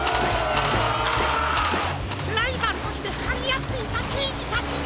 ライバルとしてはりあっていたけいじたちが！